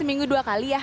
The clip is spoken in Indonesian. seminggu dua kali ya